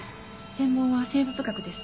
専門は生物学です。